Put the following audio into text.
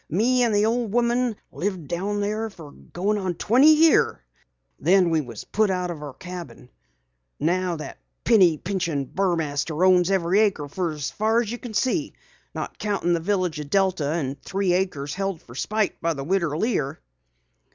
Me and the old woman lived down there fer goin' on twenty years. Then we was put out o' our cabin. Now that penny pinchin' Burmaster owns every acre fer as you can see not countin' the village o' Delta an' three acres held fer spite by the Widder Lear."